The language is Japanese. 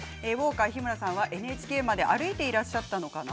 日村さんはＮＨＫまで歩いてらっしゃったのかな